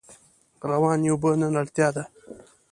روانې اوبه نن اړتیا ده.